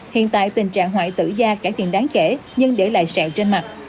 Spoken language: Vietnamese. hiện tại tình trạng hoại tử da cải thiện đáng kể nhưng để lại sẹo trên mặt